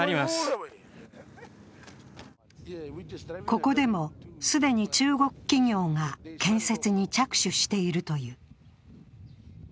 ここでも既に中国企業が建設に着手しているという。